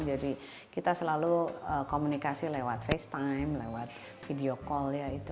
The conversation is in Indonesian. jadi kita selalu komunikasi lewat facetime lewat video call ya itu